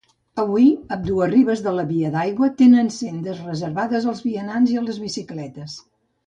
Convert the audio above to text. Avui ambdues ribes de la via d'aigua tenen sendes reservades als vianants i a les bicicletes.